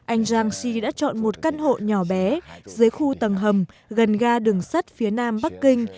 anh jean si đã chọn một căn hộ nhỏ bé dưới khu tầng hầm gần ga đường sắt phía nam bắc kinh